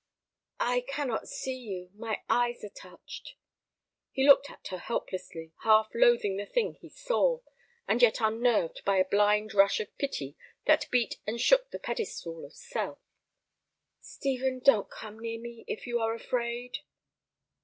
"I cannot see you; my eyes are touched." He looked at her helplessly, half loathing the thing he saw, and yet unnerved by a blind rush of pity that beat and shook the pedestal of self. "Stephen, don't come near me if you are afraid."